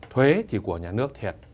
thuế thì của nhà nước thiệt